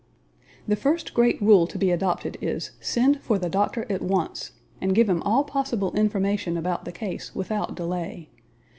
The first great rule to be adopted is SEND FOR THE DOCTOR AT ONCE and give him all possible information about the case without delay.